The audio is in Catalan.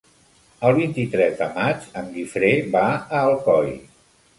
El vint-i-tres de maig en Guifré va a Alcoi.